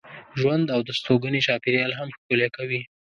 ژوند او د استوګنې چاپېریال هم ښکلی کوي.